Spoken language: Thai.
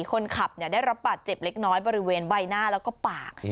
คนขับได้รับบาดเจ็บเล็กน้อยบริเวณใบหน้าแล้วก็ปาก